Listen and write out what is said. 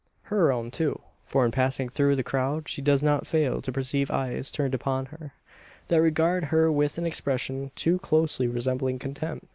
Her own too: for in passing through the crowd she does not fail to perceive eyes turned upon her, that regard her with an expression too closely resembling contempt!